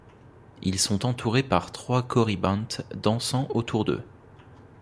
Ils sont entourés par trois Corybantes dansant autour d'eux.